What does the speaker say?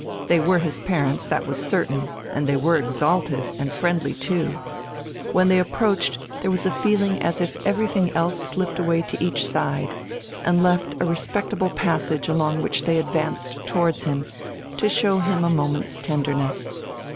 They were his parents, that was certain, and they were exalted, and friendly too. When they approached there was a feeling as if everything else slipped away to each side, and left a respectable passage along which they advanced towards him to show him a moment's tenderness.